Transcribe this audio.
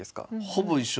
ほぼ一緒。